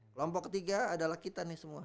kelompok ketiga adalah kita nih semua